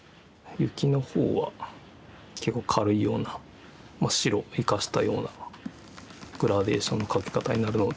雪の方は結構軽いような白を生かしたようなグラデーションのかけ方になるので。